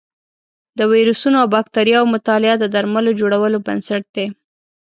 د ویروسونو او بکتریاوو مطالعه د درملو جوړولو بنسټ دی.